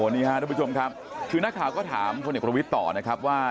นี่ครับทุกผู้ชมครับคือนักข่าวก็ถามพลเอกประวิทย์ต่อนะครับว่า